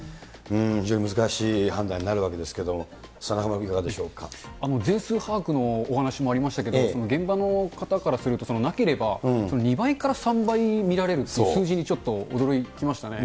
非常に難しい判断になるわけですけれども、中丸君、いかがでしょ全数把握のお話もありましたけれども、現場の方からすると、なければ２倍から３倍診られるっていう数字にちょっと驚きましたね。